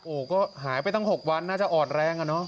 โอ้โหก็หายไปตั้ง๖วันน่าจะอ่อนแรงอะเนาะ